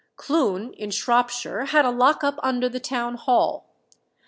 Clun, in Shropshire, had a lock up under the town hall.